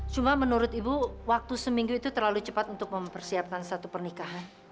cuma menurut ibu waktu seminggu itu terlalu cepat untuk mempersiapkan satu pernikahan